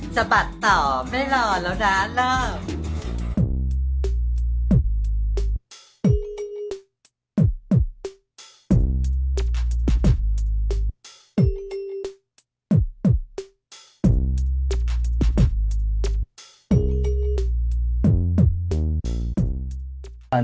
จะปัดต่อไม่รอแล้วนะเริ่ม